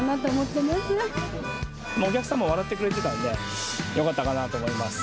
お客さんも笑ってくれてたんで、よかったかなと思います。